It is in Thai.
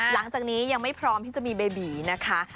หลังจากนี้ยังไม่พร้อมที่จะมีเบบีนะคะ